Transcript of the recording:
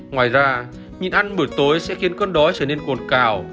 ngoài ra nhịn ăn bữa tối sẽ khiến cơn đói trở nên cồn cào